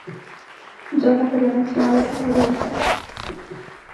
Gioca per la nazionale qatariota.